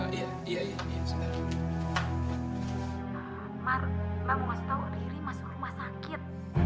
riri masuk rumah sakit